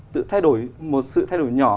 thay đổi một sự thay đổi nhỏ